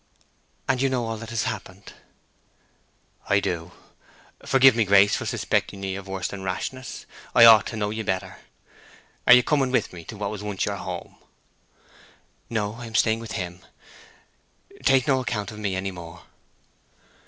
"And you know all that has happened?" "I do. Forgive me, Grace, for suspecting ye of worse than rashness—I ought to know ye better. Are you coming with me to what was once your home?" "No. I stay here with HIM. Take no account of me any more."